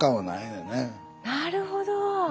なるほど。